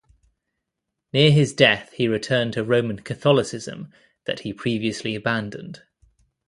Near his death he returned to Roman Catholicism that he previously abandoned.